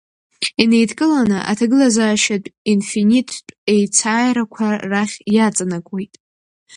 Инеидкыланы аҭагылазаашьатә инфиниттә еицааирақәа рахь иаҵанакуеит…